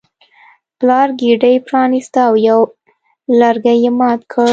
پلار ګېډۍ پرانیسته او یو یو لرګی یې مات کړ.